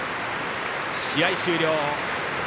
試合終了。